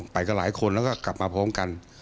ไปกันหลายคนแล้วก็กลับมาพร้อมกัน